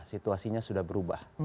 situasinya sudah berubah